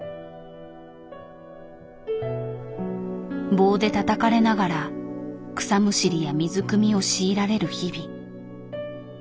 棒でたたかれながら草むしりや水くみを強いられる日々。